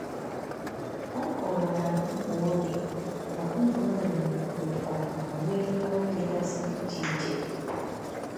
Ọ kọwara mkpa ọ dị na ụmụ nwaanyị mụkwara ma nwee ọrụ dịgasị iche iche